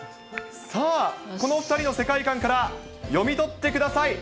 さあ、この２人の世界観から読み取ってください。